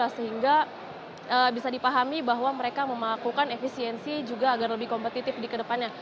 sehingga bisa dipahami bahwa mereka melakukan efisiensi juga agar lebih kompetitif di kedepannya